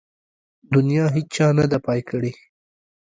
د نيا هيچا نده پاى کړې.